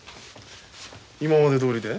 今までどおりで？